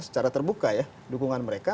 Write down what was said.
secara terbuka ya dukungan mereka